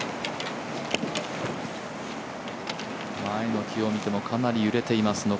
前の木を見てもかなり揺れています